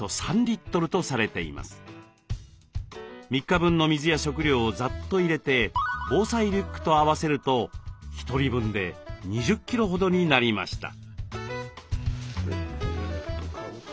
３日分の水や食料をざっと入れて防災リュックと合わせると１人分で２０キロほどになりました。